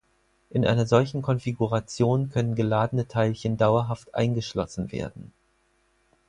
In einer solchen Konfiguration können geladene Teilchen dauerhaft eingeschlossen werden.